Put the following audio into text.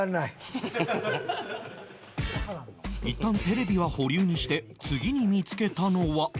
いったんテレビは保留にして次に見つけたのは